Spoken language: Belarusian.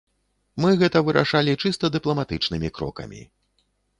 Мы гэта вырашалі чыста дыпламатычнымі крокамі.